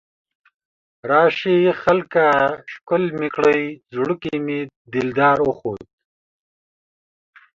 راشئ خلکه ښکل مې کړئ، زړه کې مې دلدار اوخوت